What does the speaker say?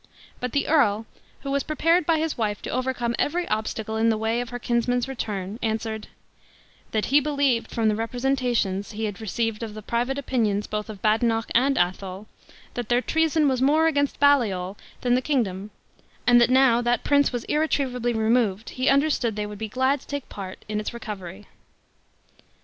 But the earl, who was prepared by his wife to overcome every obstacle in the way of her kinsman's return, answered, "That he believed, from the representations he had received of the private opinions both of Badenoch and Athol, that their treason was more against Baliol than the kingdom; and that now that prince was irretrievably removed, he understood they would be glad to take a part in its recovery."